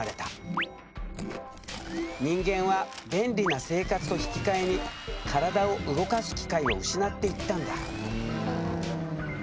人間は便利な生活と引き換えに体を動かす機会を失っていったんだ。